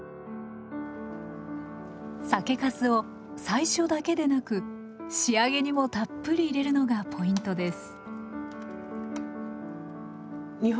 酒粕を最初だけでなく仕上げにもたっぷり入れるのがポイントです。